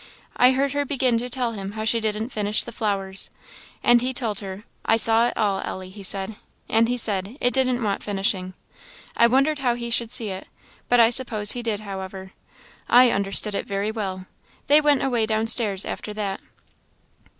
I heard her begin to tell him how she didn't finish the flowers, and he told her 'I saw it all, Ellie,' he said; and he said, 'it didn't want finishing.' I wondered how he should see it, but I suppose he did, however. I understood it very well. They went away downstairs after that."